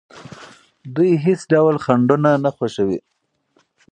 دوی هیڅ ډول خنډونه نه خوښوي.